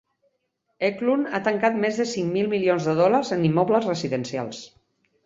Eklund ha tancat més de cinc mil milions de dòlars en immobles residencials.